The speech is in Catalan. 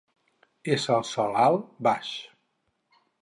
Ésser el sol alt, baix.